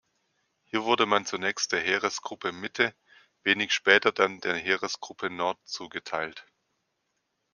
Hier wurde man zunächst der Heeresgruppe Mitte, wenig später dann der Heeresgruppe Nord zugeteilt.